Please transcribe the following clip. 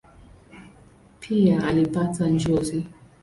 Pia alipata njozi.